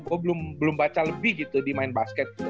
gue belum baca lebih gitu di main basket gitu